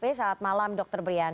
selamat malam dr brian